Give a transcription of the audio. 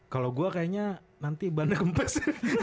kalau gue kayaknya nanti bandar kempes